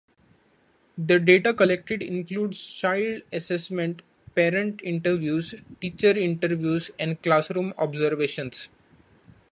The data collected includes child assessments, parent interviews, teacher interviews and classroom observations.